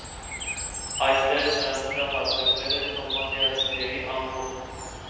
Այստեղ նրանց վրա հարձակվել է սոմալիացիների ամբոխը։